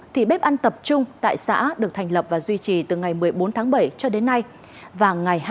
thì bếp ăn tập trung tại xã được thành lập và duy trì từ ngày một mươi bốn tháng bảy cho đến nay và ngày hai mươi